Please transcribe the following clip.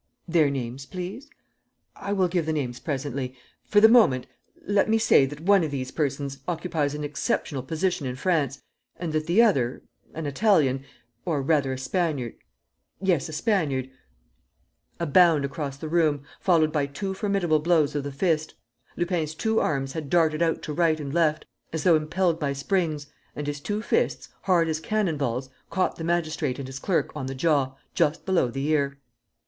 "Their names, please." "I will give the names presently. For the moment, let me say that one of these persons occupies an exceptional position in France, and that the other, an Italian, or rather a Spaniard ... yes, a Spaniard ..." A bound across the room, followed by two formidable blows of the fist. ... Lupin's two arms had darted out to right and left, as though impelled by springs and his two fists, hard as cannon balls, caught the magistrate and his clerk on the jaw, just below the ear.